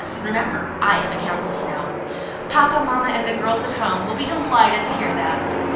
—Remember, I am a countess now. Papa, mamma, and the girls at home, will be delighted to hear that.